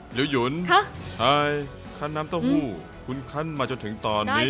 หรือหยุนขั้นน้ำเต้าหู้คุณคันมาจนถึงตอนนี้